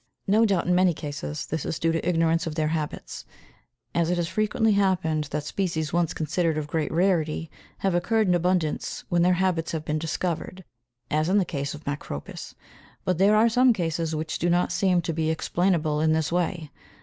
No doubt in many cases this is due to ignorance of their habits, as it has frequently happened that species once considered of great rarity have occurred in abundance when their habits have been discovered, as in the case of Macropis, but there are some cases which do not seem to be explainable in this way.